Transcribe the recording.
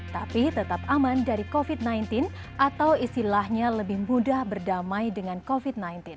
tapi tetap aman dari covid sembilan belas atau istilahnya lebih mudah berdamai dengan covid sembilan belas